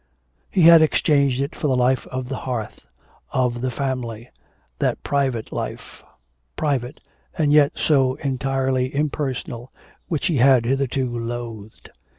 He had exchanged it for the life of the hearth, of the family; that private life private, and yet so entirely impersonal which he had hitherto loathed.